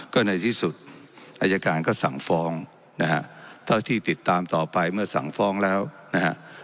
ก็ในที่สุดอายการก็สั่งฟ้องนะฮะเท่าที่ติดตามต่อไปเมื่อสั่งฟ้องแล้วนะฮะ